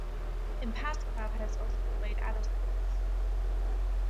In past club has also played other sports.